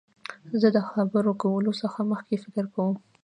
زه د خبرو کولو څخه مخکي فکر کوم.